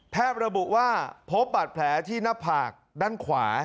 ระบุว่าพบบาดแผลที่หน้าผากด้านขวา